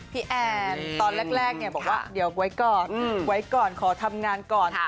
พี่แอ้นตอนแรกบอกว่าเดี๋ยวไว้ก่อนขอทำงานก่อน